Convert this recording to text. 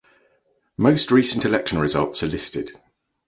Most recent election results are listed.